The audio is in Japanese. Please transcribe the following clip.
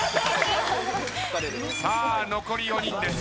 さあ残り４人です。